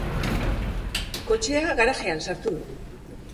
Kotxea garajean sartu du.